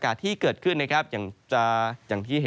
ต่ำสุดอยู่ที่ประมาณ๓๔๓๔องศาเซลเซียส